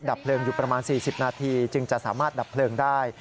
ดับเผลออยู่ประมาณ๔๐นาทีจึงจะสามารถดับเผลอได้